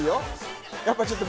やっぱちょっと。